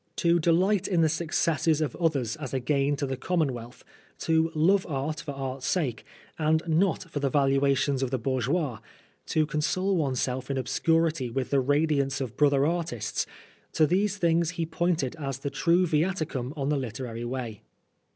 To delight in the successes of others as a gain to the commonwealth, to love art for art's sake, and not for the valuations of the bourgeois, to console oneself in obscurity with the radiance of brother artists to these 20 Oscar Wilde things he pointed as the true viaticum on the literary way.